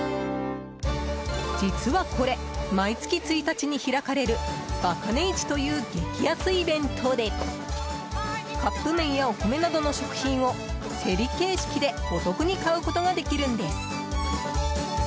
実はこれ、毎月１日に開かれるバカ値市という激安イベントでカップ麺やお米などの食品を競り形式でお得に買うことができるんです。